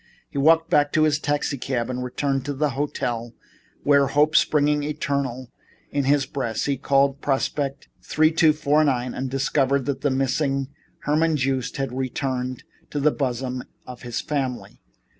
He walked back to his taxicab and returned to the hotel where, hope springing eternal in his breast, he called Prospect 3249 again and discovered that the missing Herman Joost had returned to the bosom of his family.